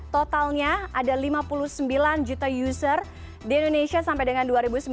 totalnya ada lima puluh sembilan juta user di indonesia sampai dengan dua ribu sembilan belas